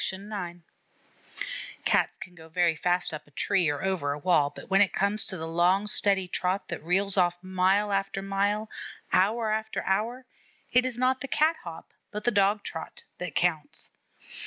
LIFE III IX Cats can go very fast up a tree or over a wall, but when it comes to the long steady trot that reels off mile after mile, hour after hour, it is not the cat hop, but the dog trot, that counts.